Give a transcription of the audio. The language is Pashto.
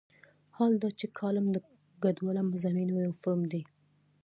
حال دا چې کالم د ګډوله مضامینو یو فورم دی.